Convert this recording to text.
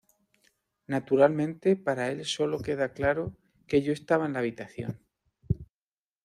Naturalmente para el solo queda claro que yo estaba en la habitación.